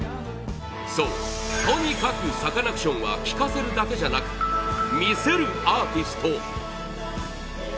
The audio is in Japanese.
そう、とにかくサカナクションは聴かせるだけじゃなく魅せるアーティスト！